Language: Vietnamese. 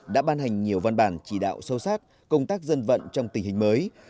đã ban hành nhiều văn bản chỉ đạo sâu sát công tác dân vận trong tình hình mới